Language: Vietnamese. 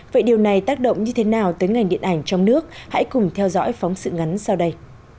vậy điều này tác động như thế nào tới ngành điện ảnh trong nước hãy cùng theo dõi phóng sự ngắn sau đây